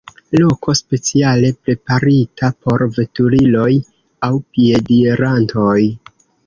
Loko speciale preparita por veturiloj aŭ piedirantoj.